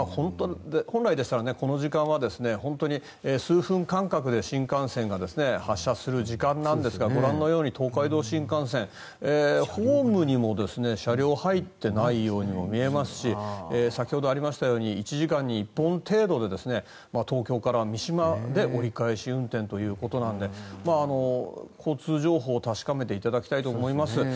本来でしたらこの時間は本当に数分間隔で新幹線が発車する時間なんですがご覧のように東海道新幹線ホームにも車両が入っていないように見えますし先ほどありましたように１時間に１本程度で東京から三島で折り返し運転ということなので交通情報を確かめていただきたいと思います。